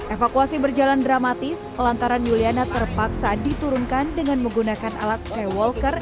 evakuasi berjalan dramatis lantaran yuliana terpaksa diturunkan dengan menggunakan alat skywalker